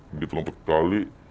begitu lompat ke kali